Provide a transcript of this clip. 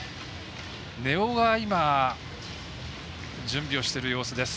根尾が今準備をしている様子です。